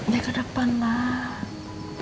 ya ke depan lah